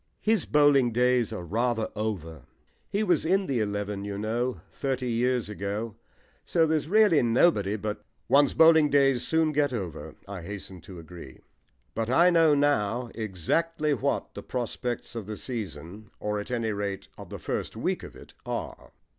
"His bowling days are rather over. He was in the eleven, you know, thirty years ago. So there's really nobody but " "One's bowling days soon get over," I hastened to agree. But I know now exactly what the prospects of the season or, at any rate, of the first week of it are.